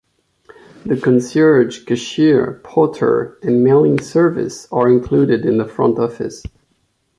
The concierge, cashier, porter, and mailing service are included in the front office.